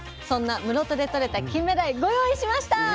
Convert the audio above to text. そんな室戸でとれたキンメダイご用意しました。